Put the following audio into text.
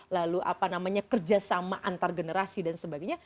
lalu apa namanya kerjasama antar generasi dan sebagainya